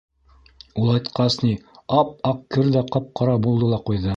Улайтҡас ни, ап-аҡ кер ҙә ҡап-ҡара булды ла ҡуйҙы.